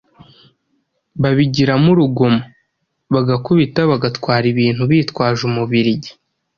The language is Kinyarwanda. babigiramo urugomo: bagakubita, bagatwara ibintu bitwaje umubiligi.